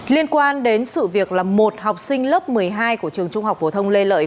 liên quan đến sự việc là một học sinh lớp một mươi hai của trường trung học phổ thông lê lợi